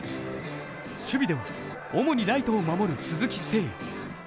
守備では、主にライトを守る鈴木誠也。